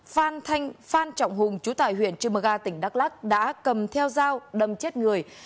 phan trọng hùng chú tài huyện trư mơ ga tỉnh đắk lắc đã cầm theo dao đâm chết người